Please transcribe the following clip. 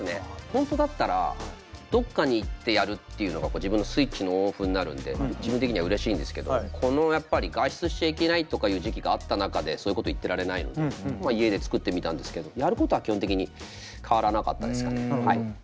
本当だったらどっかに行ってやるっていうのが自分のスイッチのオンオフになるんで自分的にはうれしいんですけどこのやっぱり外出しちゃいけないとかいう時期があった中でそういうこと言ってられないので家で作ってみたんですけどやることは基本的に変わらなかったですかねはい。